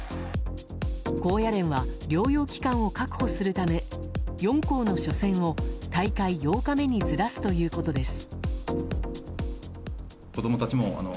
高野連は療養期間を確保するため４校の初戦を大会８日目にずらすということです。